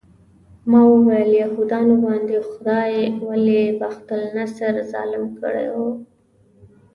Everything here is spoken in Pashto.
ما وویل یهودانو باندې خدای ولې بخت النصر ظالم کړی و.